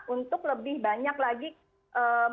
untuk lebih banyak lagi melakukan kondisi yang lebih baik